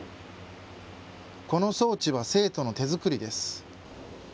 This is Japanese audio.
この装置は生徒の手作りです。